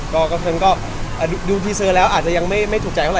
เพราะฉะนั้นก็ดูพีเซอร์แล้วอาจจะยังไม่ถูกใจเท่าไร